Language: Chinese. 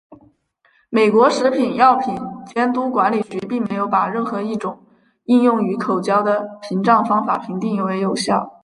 美国食品药品监督管理局并没有把任何一种应用于口交的屏障方法评定为有效。